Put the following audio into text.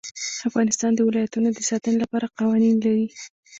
افغانستان د ولایتونو د ساتنې لپاره قوانین لري.